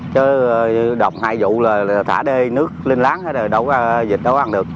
chứ đồng hai vụ là thả đê nước linh láng hết rồi đổ ra vịt đâu ăn được